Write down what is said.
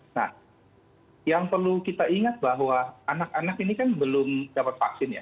nah yang perlu kita ingat bahwa anak anak ini kan belum dapat vaksin ya